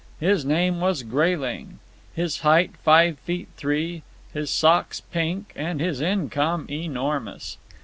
His name was Grayling, his height five feet three, his socks pink, and his income enormous.